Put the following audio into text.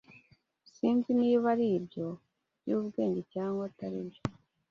Sinzi niba aribyo byubwenge cyangwa atari byo.